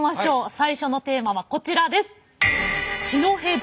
最初のテーマはこちらです。